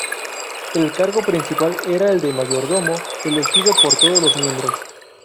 El cargo principal era el de Mayordomo, elegido por todos los miembros.